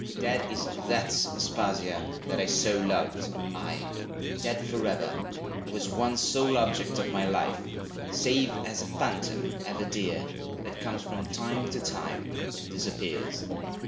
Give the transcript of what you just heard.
Dead is that Aspasia, that I so loved, aye, dead Forever, who was once sole object of My life; save as a phantom, ever dear, That comes from time to time, and disappears.